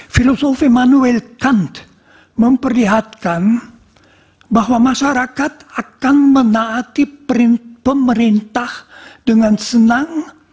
filosofi manuel count memperlihatkan bahwa masyarakat akan menaati pemerintah dengan senang